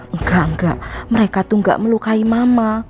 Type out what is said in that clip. enggak enggak mereka tuh gak melukai mama